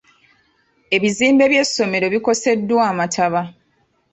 Ebizimbe by'essomero bikoseddwa amataba.